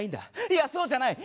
いやそうじゃない。